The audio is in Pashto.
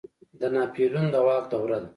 د ناپلیون د واک دوره ده.